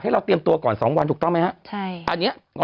ให้เราเตรียมตัวก่อนสองวันถูกต้องไหมฮะใช่อันเนี้ยเรา